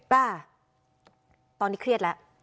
ป่ะตอนนี้เครียดแล้ว